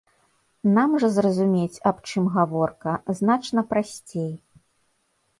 Нам жа зразумець, аб чым гаворка, значна прасцей.